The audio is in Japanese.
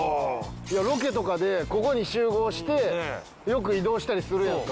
ロケとかでここに集合してよく移動したりするやんか。